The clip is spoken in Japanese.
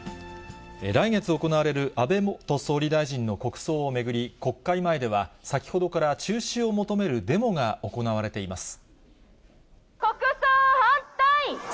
来月行われる安倍元総理大臣の国葬を巡り、国会前では、先ほどから中止を求めるデモが行われています。